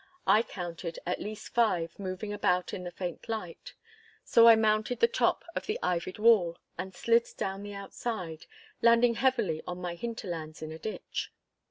I counted at least five moving about in the faint light. So I mounted the top of the ivied wall, and slid down the outside, landing heavily on my hinderlands in a ditch.